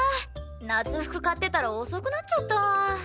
夏服買ってたら遅くなっちゃった。